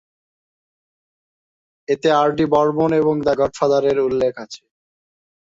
এতে আর ডি বর্মণ এবং "দ্য গডফাদার"-এর উল্লেখ আছে।